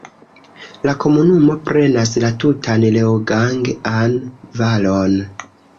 La komunumo prenas la tutan Leogang-an valon.